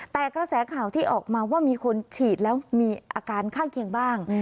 แต่กระแสข่าวที่ออกมาว่ามีคนฉีดแล้วมีอาการข้างเคียงบ้าง